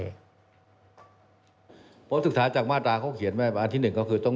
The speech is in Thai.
ยังไงก็โดนคือวันนี้มันมีทั้งเสียงเชียร์และเสียงเฉยเฉยกับ